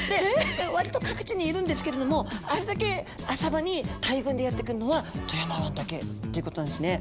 わりと各地にいるんですけれどもあれだけ浅場に大群でやって来るのは富山湾だけっていうことなんですね。